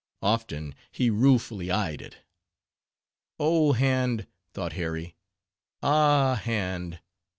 Often he ruefully eyed it. Oh! hand! thought Harry, ah, hand!